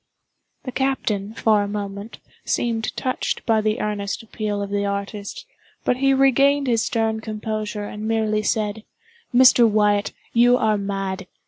The captain, for a moment, seemed touched by the earnest appeal of the artist, but he regained his stern composure, and merely said: "Mr. Wyatt, you are mad.